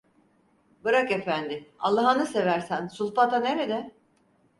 Bırak efendi, Allahını seversen, sulfata nerde?